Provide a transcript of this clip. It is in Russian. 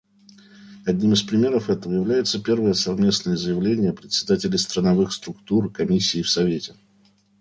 Одним из примеров этого является первое совместное заявление председателей страновых структур Комиссии в Совете.